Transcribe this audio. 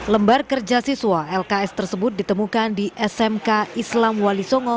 lembar kerja siswa lks tersebut ditemukan di smk islam wali songo